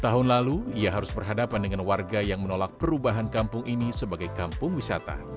dua puluh tahun lalu ia harus berhadapan dengan warga yang menolak perubahan kampung ini sebagai kampung wisata